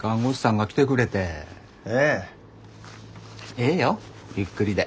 ええよゆっくりで。